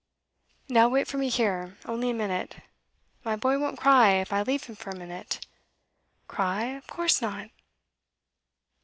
'Now wait for me here only a minute. My boy won't cry, if I leave him for a minute?' 'Cry! of course not!